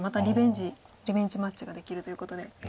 リベンジマッチができるということで。